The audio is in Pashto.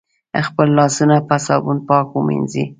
خپل لاسونه په صابون پاک ومېنځی